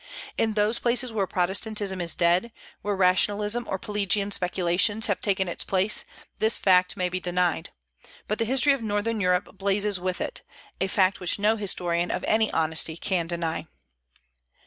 In those places where Protestantism is dead, where rationalism or Pelagian speculations have taken its place, this fact may be denied; but the history of Northern Europe blazes with it, a fact which no historian of any honesty can deny.